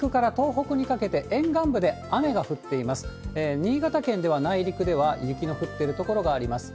新潟県では内陸では、雪の降っている所があります。